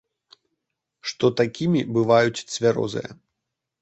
Што такімі бываюць цвярозыя.